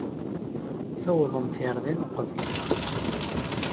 Tuwḍemt ɣer din uqbel-nneɣ.